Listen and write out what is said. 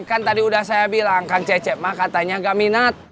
kan tadi udah saya bilang kang cecep mah katanya gak minat